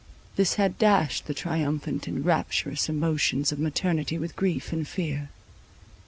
This had dashed the triumphant and rapturous emotions of maternity with grief and fear.